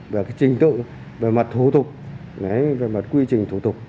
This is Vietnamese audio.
về trình tựu về mặt thủ tục về mặt quy trình thủ tục